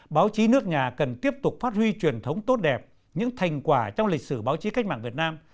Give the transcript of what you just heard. báo chí nước nhà cần tiếp tục phát huy truyền thống tốt đẹp những thành quả trong lịch sử báo chí cách mạng việt nam